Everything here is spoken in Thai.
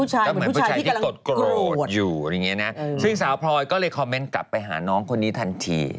เหมือนผู้ชายที่กำลังโกรธอยู่ซึ่งสาวพรอยก็เลยคอมเมนต์กลับไปหาน้องคนนี้ทันที